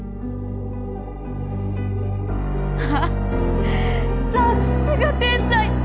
あっさっすが天才！